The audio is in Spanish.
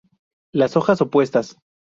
Las hojas opuestas.